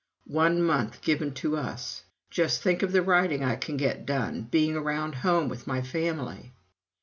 One month given to us! "Just think of the writing I can get done, being around home with my family!"